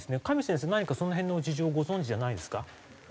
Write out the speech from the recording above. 上先生何かその辺の事情をご存じじゃないですか？